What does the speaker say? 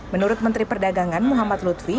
menurut menteri perdagangan muhammad lutfi